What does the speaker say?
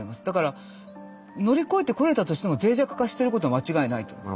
だから乗り越えてこれたとしてもぜい弱化してることは間違いないと。